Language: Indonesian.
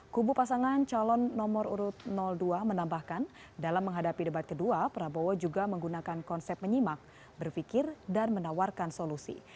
kubu pasangan calon nomor urut dua menambahkan dalam menghadapi debat kedua prabowo juga menggunakan konsep menyimak berpikir dan menawarkan solusi